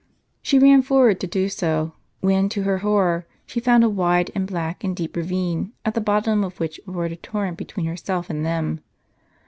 She ran forward to do so, when to her horror she found a wide, and black, and deep ravine, at the bottom of which roared a torrent between herself and them.